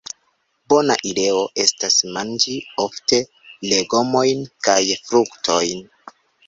Bona ideo estas manĝi ofte legomojn kaj fruktojn.